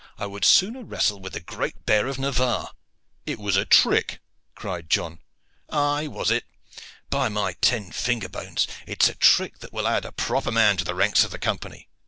I would sooner wrestle with the great bear of Navarre." "It was a trick," cried John. "Aye was it. By my ten finger bones! it is a trick that will add a proper man to the ranks of the Company."